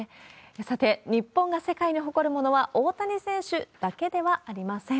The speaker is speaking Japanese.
さて、日本が世界に誇るものは大谷選手だけではありません。